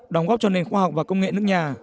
đóng góp cho nền khoa học và công nghệ nước nhà